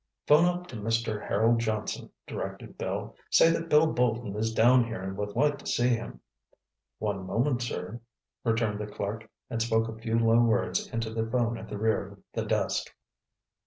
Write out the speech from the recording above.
"'Phone up to Mr. Harold Johnson," directed Bill. "Say that Bill Bolton is down here and would like to see him." "One moment, sir," returned the clerk and spoke a few low words into the phone at the rear of the desk.